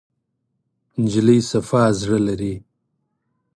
نجلۍ د صفا زړه لري.